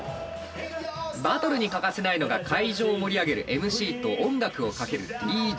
バトルに欠かせないのが会場を盛り上げるＭＣと音楽をかけるＤＪです。